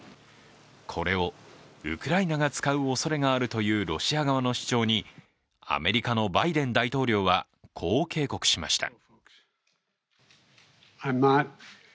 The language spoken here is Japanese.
これをウクライナが使うおそれがあるというロシア側の主張にアメリカのバイデン大統領はこう警告しました。